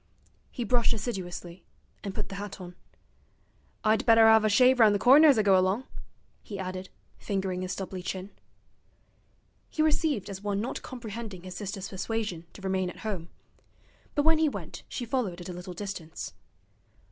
He brushed assiduously, and put the hat on. 'I'd better 'ave a shave round the corner as I go along,' he added, fingering his stubbly chin. He received as one not comprehending his sister's persuasion to remain at home; but when he went she followed at a little distance.